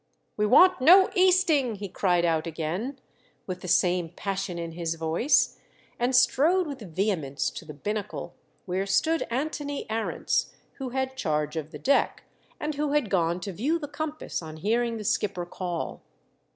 "We want no easting," he cried out again, with the same passion in his voice, and strode with vehemence to the binnacle where stood Antony Arents, who had charge of the deck, and who had gone to view the compass on hearing the skipper call.